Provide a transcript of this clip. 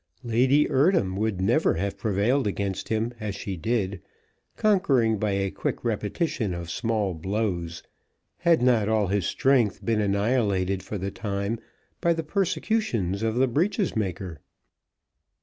Lady Eardham would never have prevailed against him as she did, conquering by a quick repetition of small blows, had not all his strength been annihilated for the time by the persecutions of the breeches maker.